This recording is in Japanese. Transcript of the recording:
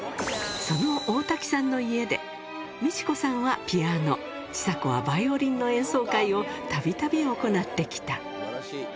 その大瀧さんの家で、未知子さんはピアノ、ちさ子はバイオリンの演奏会をたびたび行ってきた。